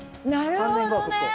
なるほどね！